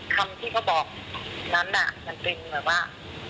คำที่เขาบอกนั้นจริงแบบว่า